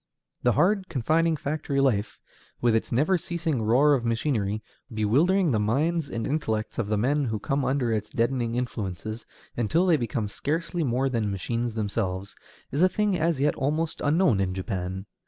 The hard, confining factory life, with its never ceasing roar of machinery, bewildering the minds and intellects of the men who come under its deadening influences, until they become scarcely more than machines themselves, is a thing as yet almost unknown in Japan.